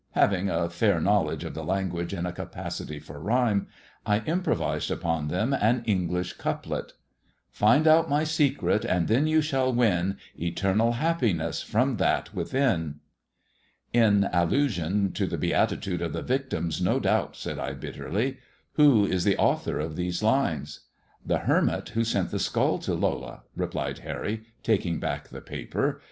Having a fair knowledge of tba language and a capacity for rhyme, I improvised upon then an English couplet :— "Find out my secret, and you then shall win Eternal happiness from that within." In allusion to the beatitude of the victims, no doubt/ said I bitterly. Who is the author of these lines) "The hermit who sent the skull to Lola,'' replied taking back the paper.